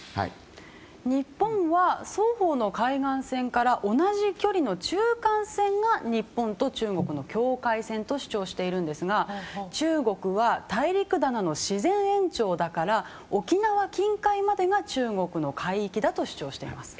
日本は双方の海岸線から同じ距離の中間線が日本と中国の境界線と主張しているんですが中国は大陸棚の自然延長だから沖縄近海までが中国の海域だと主張しています。